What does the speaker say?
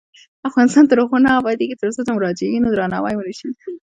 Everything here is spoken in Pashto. افغانستان تر هغو نه ابادیږي، ترڅو د مراجعینو درناوی ونشي.